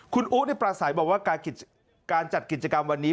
คุณอุ๊ปราศัยบอกว่าการจัดกิจกรรมวันนี้